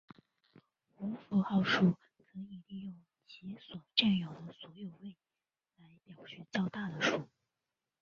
无符号数可以利用其所占有的所有位来表示较大的数。